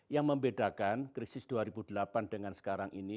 yang membedakan krisis dua ribu delapan dengan sekarang ini